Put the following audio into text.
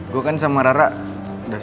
gue kan sama rara udah